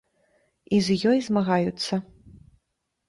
І з ёй змагаюцца.